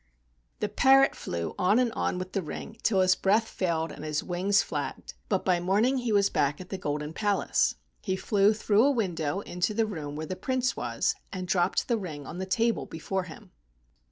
The parrot flew on and on with the ring till his breath failed and his wings flagged, but by morning he was back at the Golden Palace. He flew through a window into the room where the Prince was, and dropped the ring on the table before him.